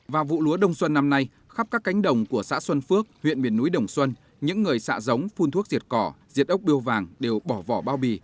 vào vụ lúa đông xuân năm nay khắp các cánh đồng của xã xuân phước huyện miền núi đồng xuân những người xạ giống phun thuốc diệt cỏ diệt ốc biêu vàng đều bỏ vỏ bao bì